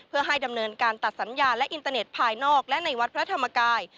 เพื่อให้ดำเนินการตัดสัญญาณและอินเตอร์เน็ตภายนอกและในวัดพระธรรมกาย